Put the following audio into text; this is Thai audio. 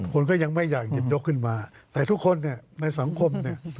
คนก็ยังไม่อยากหยิบยกขึ้นมาแต่ทุกคนในสังคม